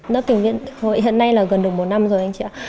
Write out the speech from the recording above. lớp tiếng việt hội hiện nay là gần được một năm rồi anh chị ạ